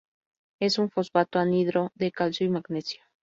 Es un fosfato anhidro de calcio y magnesio.